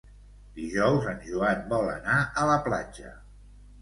Dijous en Joan vol anar a la platja.